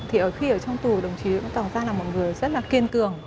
thì ở khi ở trong tù đồng chí cũng tỏ ra là một người rất là kiên cường